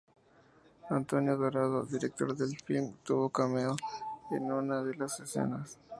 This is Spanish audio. Antonio Dorado, director del film, tuvo un cameo en una de las escenas.